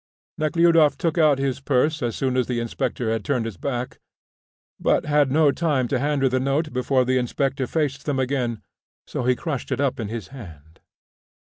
Nekhludoff took out his purse as soon as the inspector had turned his back; but had no time to hand her the note before the inspector faced them again, so he crushed it up in his hand.